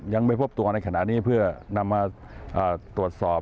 ยังไม่พบตัวในขณะนี้เพื่อนำมาตรวจสอบ